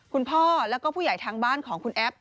คุณพ่อแล้วก็ผู้ใหญ่ทางบ้านของคุณแอฟ